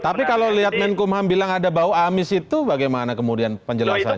tapi kalau lihat menkumham bilang ada bau amis itu bagaimana kemudian penjelasannya